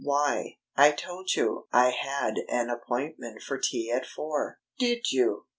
"Why?" "I told you I had an appointment for tea at four." "Did you?